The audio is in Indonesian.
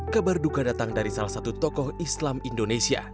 kabar duka datang dari salah satu tokoh islam indonesia